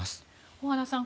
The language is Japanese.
小原さん